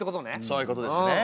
そういうことですね。